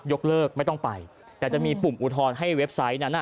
ยกเลิกไม่ต้องไปแต่จะมีปุ่มอุทธรณ์ให้เว็บไซต์นั้นอ่ะ